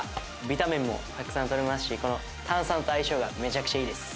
ビタミンもたくさんとれますしこの炭酸と相性がめちゃくちゃいいです。